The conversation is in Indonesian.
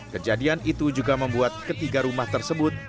kejadian itu juga membuat ketiga rumah tersebut